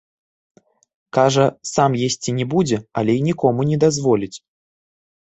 Кажа, сам есці не будзе, але і нікому не дазволіць.